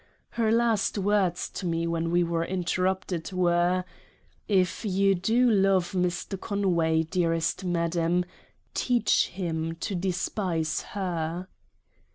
Her last words to me when we were interrupted — were — 'If you do love Mr. Conway, dearest Madam, teach him to despise her.'